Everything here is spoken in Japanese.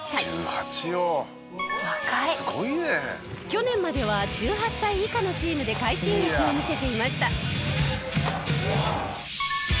去年までは１８歳以下のチームで快進撃を見せていました。